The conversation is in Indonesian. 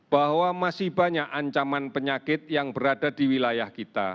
bahwa masih banyak ancaman penyakit yang berada di wilayah kita